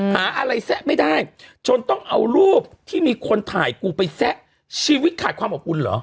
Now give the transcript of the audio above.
หาอะไรแซะไม่ได้จนต้องเอารูปที่มีคนถ่ายกูไปแซะชีวิตขาดความอบอุ่นเหรอ